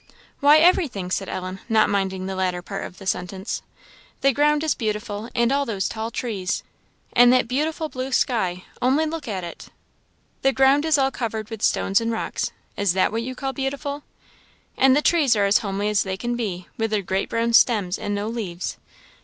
"Why, everything," said Ellen, not minding the latter part of the sentence; "the ground is beautiful, and those tall trees, and that beautiful blue sky only look at it!" "The ground is all covered with stones and rocks is that what you call beautiful? and the trees are as homely as they can be, with their great brown stems and no leaves.